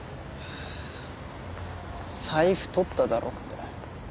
財布取っただろって。